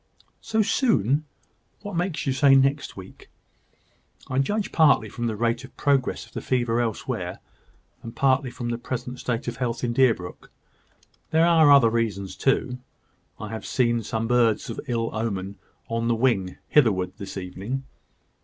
"So soon? What makes you say next week?" "I judge partly from the rate of progress of the fever elsewhere, and partly from the present state of health in Deerbrook. There are other reasons too. I have seen some birds of ill omen on the wing hitherward this evening."